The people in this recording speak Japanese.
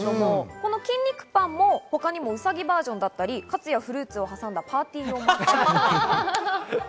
筋肉パンも他にもウサギバージョンだったりカツやフルーツを挟んだパーティー用もあります。